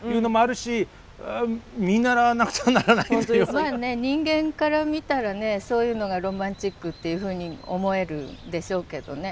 まあね人間から見たらねそういうのがロマンチックっていうふうに思えるでしょうけどね。